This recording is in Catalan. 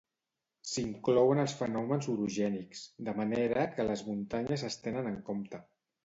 S'inclouen els fenòmens orogènics, de manera que les muntanyes es tenen en compte.